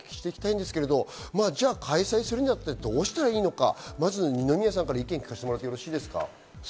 開催するに当たってどうしたらいいのか、二宮さんから意見を聞かせていただいてよろしいですか？